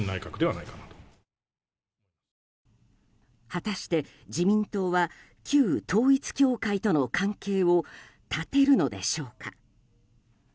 果たして自民党は旧統一教会との関係を断てるのでしょうか。